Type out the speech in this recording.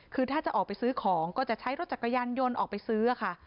คือถ้าจะออกไปซื้อของก็จะใช้รถจักรยานยนต์ออกไปซื้อค่ะ